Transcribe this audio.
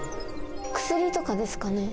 薬とかですかね？